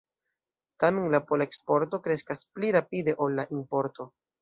Tamen la pola eksporto kreskas pli rapide ol la importo.